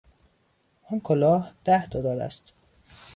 آن کلاه ده دلار است